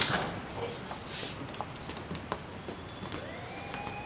失礼します。